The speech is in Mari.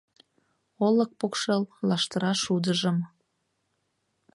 Олык покшел лаштыра шудыжым